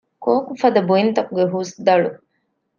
ކޯކުފަދަ ބުއިންތަކުގެ ހުސްދަޅު